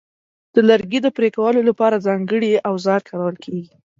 د لرګي د پرې کولو لپاره ځانګړي اوزار کارول کېږي.